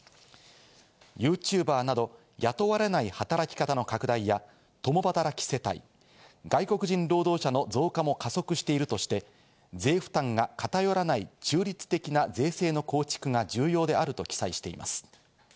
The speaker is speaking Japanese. ユーチューバーなど、雇われない働き方の拡大や、共働き世帯、外国人労働者の増加も加速しているとして、税負担が偏らない、中立的な税制の構築が重要であると記載しています。